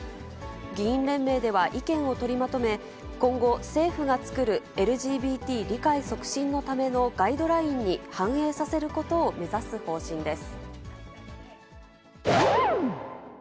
議員連盟では意見を取りまとめ、今後、政府が作るＬＧＢＴ理解促進のためのガイドラインに反映させることを目指す方針です。